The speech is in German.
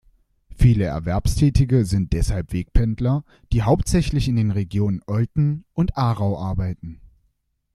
Viele Erwerbstätige sind deshalb Wegpendler, die hauptsächlich in den Regionen Olten und Aarau arbeiten.